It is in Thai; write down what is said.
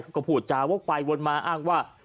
ก็พูดจาวกไปวนมาอ้างว่า